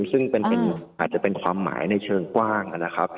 ซึ่งอาจจะเป็นความหมายในเชิงกว้างนะครับ